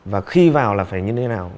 và khi vào là phải như thế nào